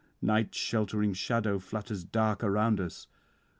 Night's sheltering shadow flutters dark around us.